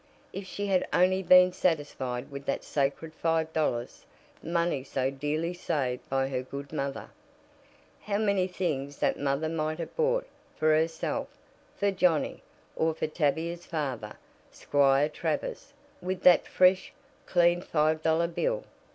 If she had only been satisfied with that sacred five dollars, money so dearly saved by her good mother! How many things that mother might have bought for herself, for Johnnie, or for Tavia's father, Squire Travers, with that fresh, clean five dollar bill!